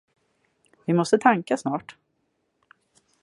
Vi måste tanka snart.